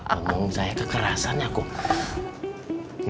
emang saya kekerasan ya kum